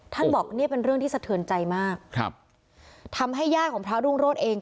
ท่านบอกนี่เป็นเรื่องที่สะเทือนใจมากครับทำให้ญาติของพระรุ่งโรธเอง